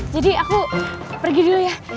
aku pergi dulu ya